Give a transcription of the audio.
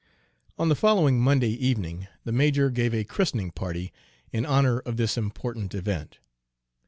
On the following Monday evening the major gave a christening party in honor of this important event.